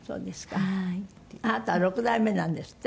あなたは６代目なんですって？